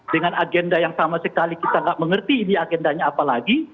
dengan agenda yang sama sekali kita nggak mengerti ini agendanya apa lagi